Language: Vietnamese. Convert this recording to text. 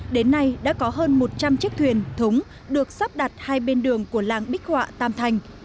đến nay đã có hơn một trăm linh chiếc thuyền thúng được sắp đặt hai bên đường của làng bích họa tam thành